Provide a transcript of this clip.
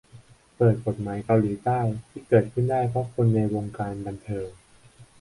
เปิดกฎหมายเกาหลีใต้ ที่เกิดขึ้นได้เพราะคนในวงการบันเทิง